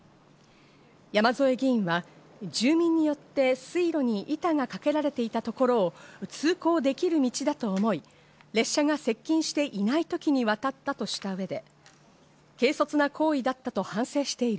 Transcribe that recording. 山添議員は、住民によって水路に板がかけられていたところを通行できる道だと思い、列車が接近していない時に渡ったとした上で、軽率な行為だったと反省している。